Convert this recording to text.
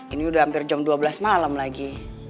ini udah hampir jam dua belas malam lagi